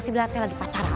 masih beli aku lagi pacaran